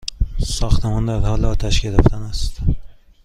ساختمان در حال آتش گرفتن است!